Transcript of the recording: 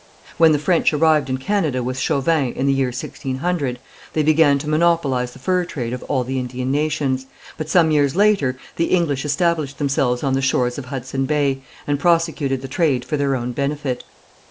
When the French arrived in Canada with Chauvin, in the year 1600, they began to monopolize the fur trade of all the Indian nations, but some years later the English established themselves on the shores of Hudson Bay, and prosecuted the trade for their own benefit.